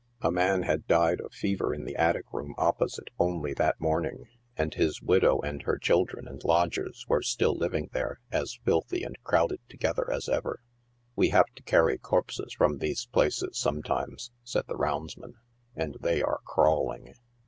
A man had died of fever in the attic room opposite only thai 98 NIGHT SIDE OF NEW YORK. morning, and his widow and her children and lodgers were still liv ing there, as filthy aad crowded together as ever. " We have to carry corpses from these places sometimes," said the roundsman, " and they are crawling